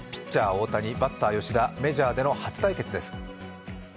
・大谷バッター・吉田、メジャーでの初対決です。